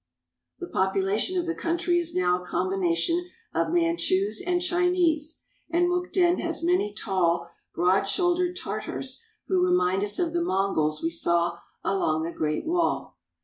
The population of the country is now a combination of Manchus and Chinese, and Mukden has many tall, broad shouldered Tartars who remind us of the Mongols we saw along the Great Wall.